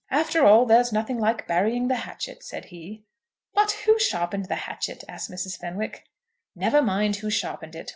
"After all, there's nothing like burying the hatchet," said he. "But who sharpened the hatchet?" asked Mrs. Fenwick. "Never mind who sharpened it.